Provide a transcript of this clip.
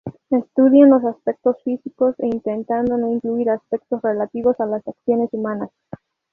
Estudian los aspectos físicos e intentando no incluir aspectos relativos a las acciones humanas.